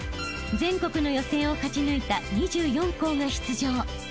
［全国の予選を勝ち抜いた２４校が出場］